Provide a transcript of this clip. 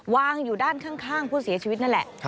วางอยู่ด้านข้างผู้เสียชีวิตนั่นแหละ